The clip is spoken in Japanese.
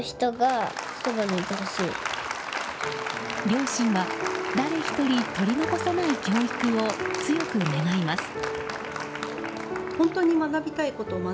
両親は誰一人取り残さない教育を強く願います。